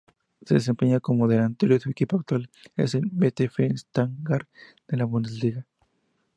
Se desempeña como delantero y su equipo actual es VfB Stuttgart de la Bundesliga.